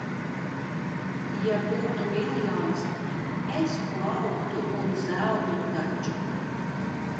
Ja būtu miljons, es plauktu un zeltu taču.